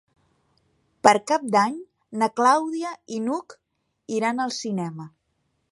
Per Cap d'Any na Clàudia i n'Hug iran al cinema.